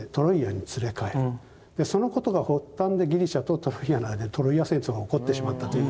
そのことが発端でギリシャとトロイアの間にトロイア戦争が起こってしまったという。